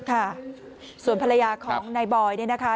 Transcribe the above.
ค่ะส่วนภรรยาของนายบอยเนี่ยนะคะ